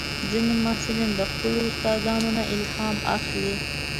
ځینې محصلین د خپلو استادانو نه الهام اخلي.